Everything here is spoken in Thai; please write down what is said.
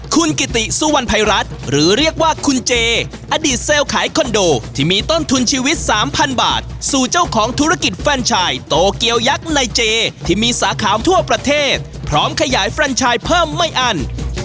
คุณกิติสุวรรณภัยรัฐหรือเรียกว่าคุณเจอดีตเซลล์ขายคอนโดที่มีต้นทุนชีวิตสามพันบาทสู่เจ้าของธุรกิจแฟนชายโตเกียวยักษ์ในเจที่มีสาขาทั่วประเทศพร้อมขยายแฟนชายเพิ่มไม่อั้น